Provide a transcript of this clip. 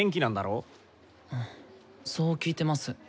そう聞いてます。